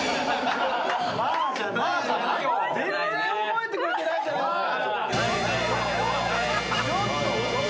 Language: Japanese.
全然覚えてくれてないじゃないですか。